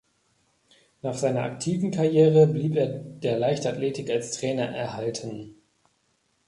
Nach seiner aktiven Karriere blieb er der Leichtathletik als Trainer erhalten.